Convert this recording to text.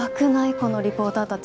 このリポーターたち。